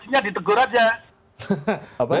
fraksinya ditegur aja